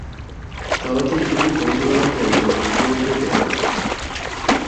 চলচ্চিত্রটি পরিচালনা করেছেন প্রভু দেবা।